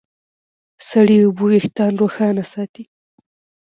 سړې اوبه وېښتيان روښانه ساتي.